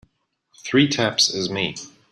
Three taps is me.